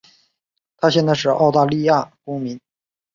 她现在是澳大利亚公民。